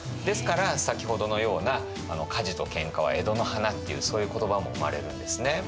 ですから先ほどのような「火事と喧嘩は江戸の華」っていうそういう言葉も生まれるんですね。